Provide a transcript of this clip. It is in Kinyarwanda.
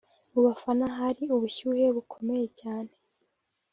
Mu bafana hari ubushyuhe bukomeye cyane